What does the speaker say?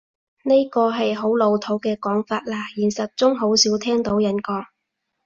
呢個係好老土嘅講法喇，現實中好少聽到人講